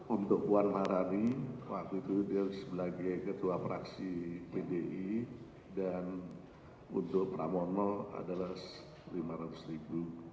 untuk wan marani waktu itu dia sebagai ketua fraksi pdi dan untuk ramon mo adalah rp lima ratus